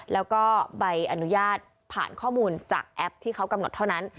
แล้วก็ใบอนุญาตผ่านข้อมูลจากแอปที่เขากำหนดเท่านั้น